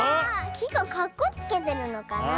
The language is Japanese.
きがかっこつけてるのかなあ。